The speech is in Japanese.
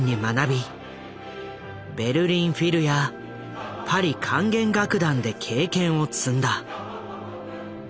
ベルリン・フィルやパリ管弦楽団で経験を積んだ。